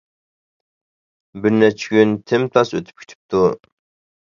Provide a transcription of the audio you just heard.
بىر نەچچە كۈن تىمتاس ئۆتۈپ كېتىپتۇ.